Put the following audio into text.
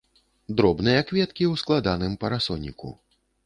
Дробныя кветкі ў складаным парасоніку.